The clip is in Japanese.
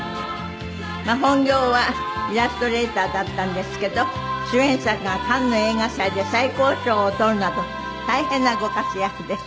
本業はイラストレーターだったんですけど主演作がカンヌ映画祭で最高賞を取るなど大変なご活躍です。